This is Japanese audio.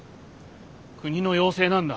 国の要請なんだ。